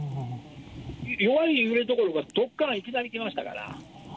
弱い揺れどころかどっかーんと、いきなりきましたから。